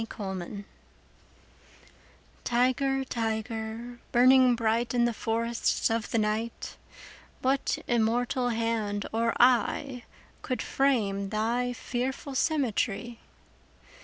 The Tiger TIGER, tiger, burning bright In the forests of the night, What immortal hand or eye Could frame thy fearful symmetry?